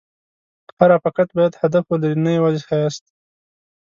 هر افکت باید هدف ولري، نه یوازې ښایست.